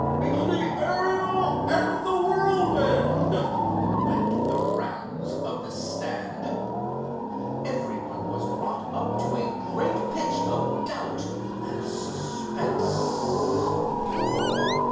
"It's the Ariel and the Whirlwind," went the rounds of the stand. Everybody was wrought up to a great pitch of doubt and suspense.